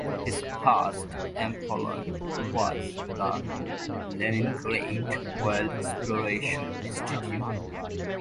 His first employer was the Leningrad Oil Exploration Institute.